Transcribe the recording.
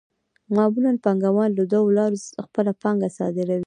معمولاً پانګوال له دوو لارو خپله پانګه صادروي